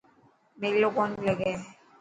ميلو ڪونهي لگي.